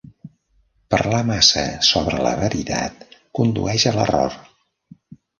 Parlar massa sobre la veritat condueix a l'error.